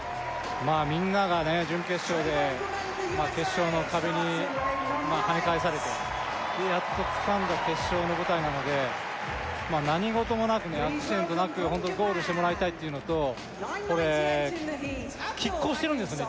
まあみんながね準決勝で決勝の壁にまあ跳ね返されてでやっとつかんだ決勝の舞台なので何事もなくねアクシデントなくホントゴールしてもらいたいっていうのとこれ拮抗してるんですね